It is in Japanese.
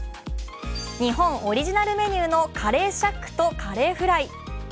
日本オリジナルメニューのカレーシャックとカレーフライ。